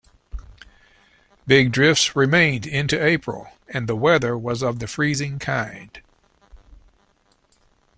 Big drifts remained into April and the weather was of the freezing kind.